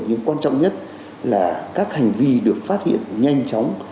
nhưng quan trọng nhất là các hành vi được phát hiện nhanh chóng